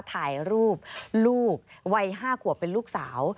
ถ่ายรูปลูกวัย๕ขวบเป็นลูกสาว